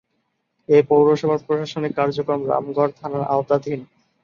এ পৌরসভার প্রশাসনিক কার্যক্রম রামগড় থানার আওতাধীন।